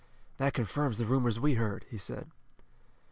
"That confirms the rumors we heard," he said.